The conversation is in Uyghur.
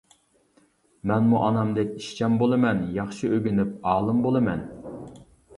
مەنمۇ ئانامدەك، ئىشچان بولىمەن، ياخشى ئۆگىنىپ، ئالىم بولىمەن.